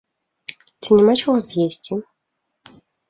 Ці няма чаго з'есці?